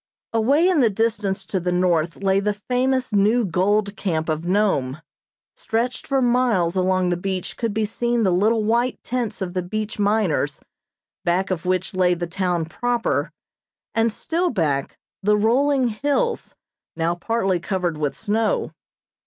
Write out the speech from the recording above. Away in the distance to the north lay the famous new gold camp of Nome. Stretched for miles along the beach could be seen the little white tents of the beach miners, back of which lay the town proper, and still back, the rolling hills now partly covered with snow.